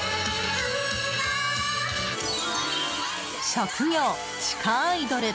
職業、地下アイドル。